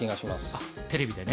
あっテレビでね。